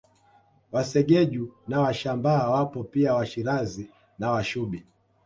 Wasegeju na Washambaa wapo pia Washirazi na Washubi